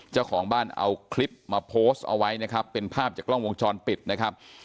เจ้าของบ้านเอาคลิปมาโพสต์เอาไว้นะครับเป็นภาพจากกล้องวงจรปิดนะครับ